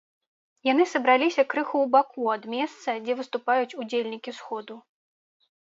Яны сабраліся крыху ў баку ад месца, дзе выступаюць удзельнікі сходу.